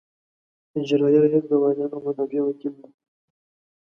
اجرائیه رییس د والیانو مدافع وکیل دی.